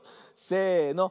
せの。